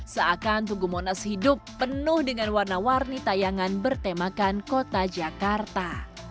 seakan tugu monas hidup penuh dengan warna warni tayangan bertemakan kota jakarta